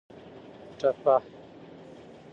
ټپه